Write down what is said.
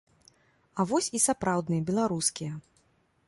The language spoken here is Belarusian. А вось і сапраўдныя беларускія.